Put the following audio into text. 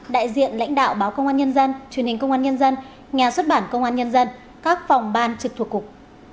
đại diện lãnh đạo báo công an nhân dân truyền hình công an nhân dân nhà xuất bản công an nhân dân các phòng ban trực thuộc cục